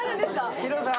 広さ？